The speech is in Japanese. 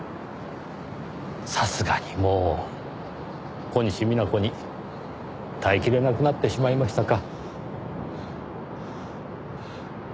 さすがにもう小西皆子に耐えきれなくなってしまいましたか。